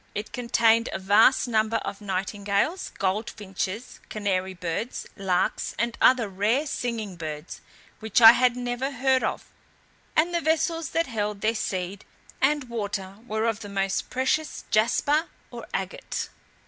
It contained a vast number of nightingales, gold finches, canary birds, larks, and other rare singing birds, which I had never heard of; and the vessels that held their seed and water were of the most precious jasper or agate.